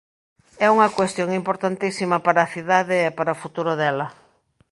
É unha cuestión importantísima para a cidade e para o futuro dela.